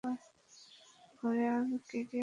ঘরে আর কে কে আছে?